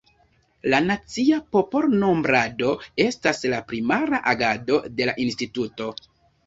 La nacia popolnombrado estas la primara agado de la instituto.